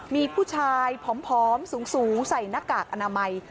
มีผู้ชายผอมสูงใส่หน้ากากอนามัย